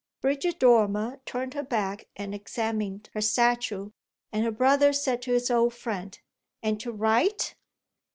Bridget Dormer turned her back and examined her statue, and her brother said to his old friend: "And to write?"